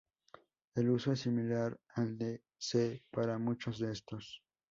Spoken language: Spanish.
El uso es similar al de C para muchos de estos.